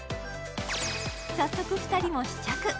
早速２人も試着。